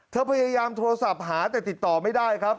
พยายามโทรศัพท์หาแต่ติดต่อไม่ได้ครับ